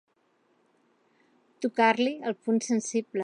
Tocar-li el punt sensible.